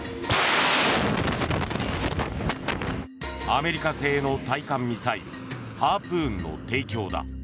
アメリカ製の対艦ミサイルハープーンの提供だ。